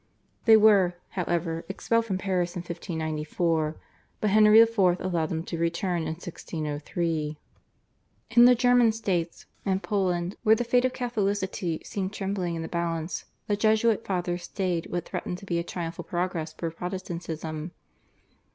They were, however, expelled from Paris in 1594, but Henry IV. allowed them to return in 1603. In the German States, Hungary, and Poland, where the fate of Catholicity seemed trembling in the balance, the Jesuit Fathers stayed what threatened to be a triumphal progress for Protestantism.